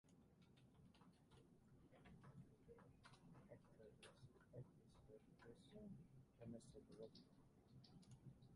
Ecker is an advisor with Tramore Group, a Toronto-based program management professional services firm.